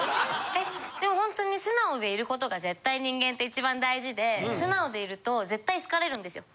でもホントに素直でいることが絶対人間って一番大事で素直でいると絶対好かれるんですよ。